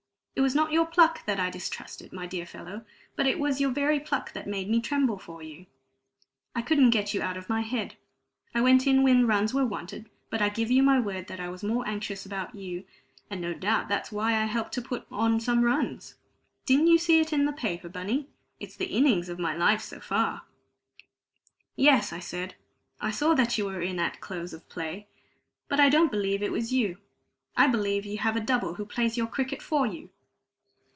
It was not your pluck that I distrusted, my dear fellow, but it was your very pluck that made me tremble for you. I couldn't get you out of my head. I went in when runs were wanted, but I give you my word that I was more anxious about you; and no doubt that's why I helped to put on some runs. Didn't you see it in the paper, Bunny? It's the innings of my life, so far." "Yes," I said, "I saw that you were in at close of play. But I don't believe it was you I believe you have a double who plays your cricket for you!"